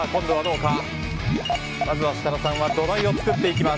まずは設楽さんは土台を作っていきます。